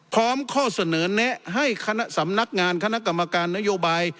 ข้อเสนอแนะให้คณะสำนักงานคณะกรรมการนโยบาย